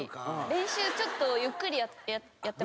練習ちょっとゆっくりやってましたもんね。